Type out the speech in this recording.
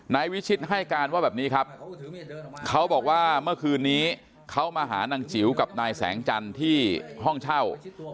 นายวิชิตให้การว่าแบบนี้ครับเขาบอกว่าเมื่อคืนนี้เขามาหานางจิ๋วกับนายแสงจันทร์ที่ห้องเช่า